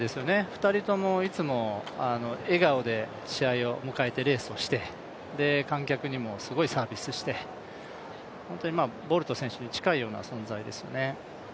２人ともいつも笑顔で試合を迎えてレースをして観客にもすごいサービスして、本当にボルト選手に近いような存在ですよね。